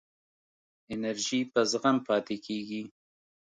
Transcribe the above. انرژی په زغم پاتې کېږي.